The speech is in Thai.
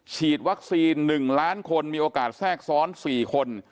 ฉีดวัคซีน๑ล้านคนมีโอกาสแทรกซ้อน๔คน